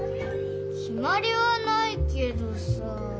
きまりはないけどさ。